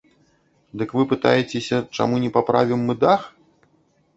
Дык вы пытаецеся, чаму не паправім мы дах?